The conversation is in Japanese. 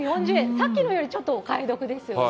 さっきのよりちょっとお買い得ですよね。